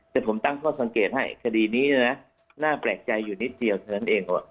แต่ผมตั้งข้อสังเกตให้คดีนี้นะน่าแปลกใจอยู่นิดเดียวเท่านั้นเอง